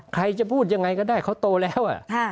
ใครจะพูดยังไงก็ได้เขาโตแล้ว